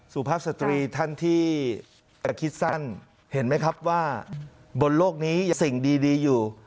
สุภาพสตรีท่านที่คิดสั้นเห็นไหมครับว่าบนโลกนี้สิ่งดีอยู่